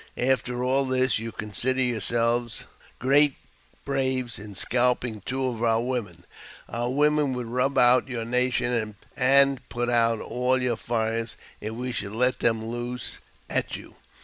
After all this, you considered yourselves great braves in scalping two of our women. Our women would rub out your nation and put out all your fires if we should let them loose at you.